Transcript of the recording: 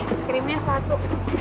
es krimnya satu